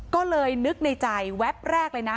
ก็เลยนึกในใจแวบแรกเลยนะ